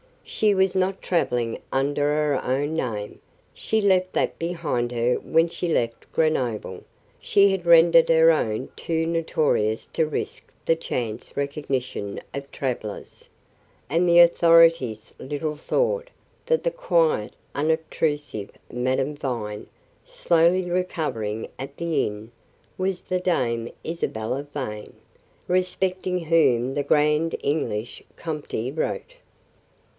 She was not travelling under her own name; she left that behind her when she left Grenoble; she had rendered her own too notorious to risk the chance recognition of travellers; and the authorities little thought that the quiet unobtrusive Madame Vine, slowly recovering at the inn, was the Dame Isabella Vane, respecting whom the grand English comte wrote.